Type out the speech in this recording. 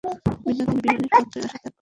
বিনোদিনী বিহারীর পত্রের আশা ত্যাগ করিয়াছে।